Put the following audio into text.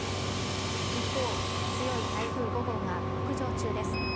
一方、強い台風５号が北上中です。